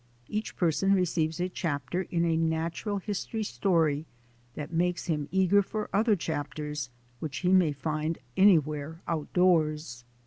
Each person receives a chapter in a natural history story that makes him eager for other chapters which he may find anywhere out doors.